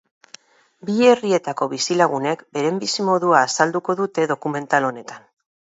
Bi herrietako bizilagunek beren bizimodua azalduko dute dokumental honetan.